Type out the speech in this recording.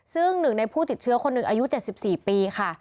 ซึ่งหนึ่งในผู้ติดเชื้อคนหนึ่งอายุ๗๔ปีค่ะ